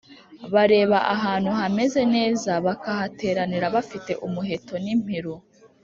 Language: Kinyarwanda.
bareba ahantu hameze neza bakahateranira bafite umuheto n’impiru,